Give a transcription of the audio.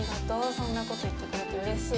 そんな事言ってくれて嬉しい。